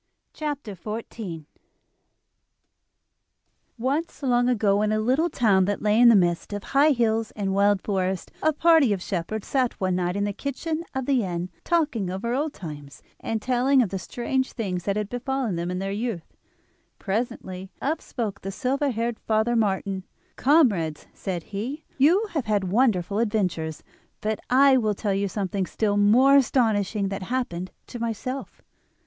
] The Treasure Seeker Once, long ago, in a little town that lay in the midst of high hills and wild forests, a party of shepherds sat one night in the kitchen of the inn talking over old times, and telling of the strange things that had befallen them in their youth. Presently up spoke the silver haired Father Martin. "Comrades," said he, "you have had wonderful adventures; but I will tell you something still more astonishing that happened to myself.